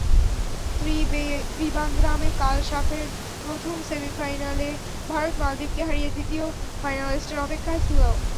ত্রিবান্দ্রামে কাল সাফের প্রথম সেমিফাইনালে ভারত মালদ্বীপকে হারিয়ে দ্বিতীয় ফাইনালিস্টের অপেক্ষায় ছিল।